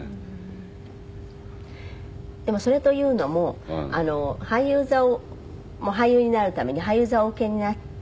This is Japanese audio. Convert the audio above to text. でもそれというのも俳優座を俳優になるために俳優座をお受けになって。